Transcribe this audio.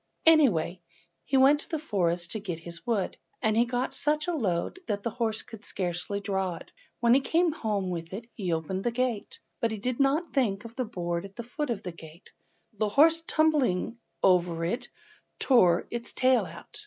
Away he went to the forest to get his wood, and he got such a load that the horse could scarcely draw it. When he came home with it he opened the gate, but he did not think of the board at the foot of the gate, and the horse tumbling over it tore its tail out!